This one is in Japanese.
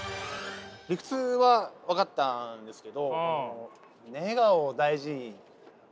理屈は分かったんですけど。